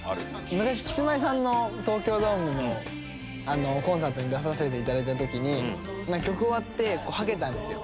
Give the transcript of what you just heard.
昔キスマイさんの東京ドームのコンサートに出させて頂いた時に曲終わってはけたんですよ。